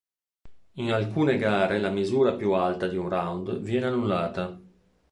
In alcune gare la misura più alta di un round viene annullata.